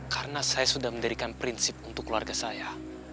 karena saya sudah mendirikan prinsip untuk keluarga saya